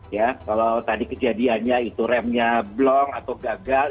ya kalau tadi kejadiannya itu remnya blong atau gagal